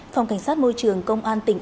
phòng cảnh sát môi trường công an tp hcm